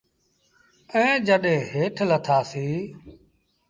ائيٚݩ جڏيݩ هيٺ لٿآ سيٚݩ۔